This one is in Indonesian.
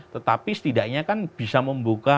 tetapi setidaknya kan bisa membuka